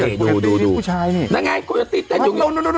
หรอคุณนี่ดูดูดูผู้ชายนี่นั่งไงโคโยตี้แต่โดนโดนโดนโดน